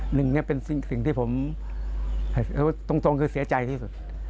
หนึ่งเนี่ยเป็นสิ่งที่ผมพูดตรงคือเสียใจที่สุด